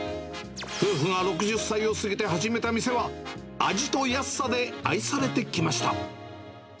夫婦が６０歳を過ぎて始めた店は、味と安さで愛されてきました。